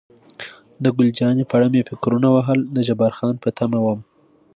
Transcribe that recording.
د ګل جانې په اړه مې فکرونه وهل، د جبار خان په تمه وم.